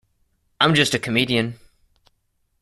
I'm just a comedian.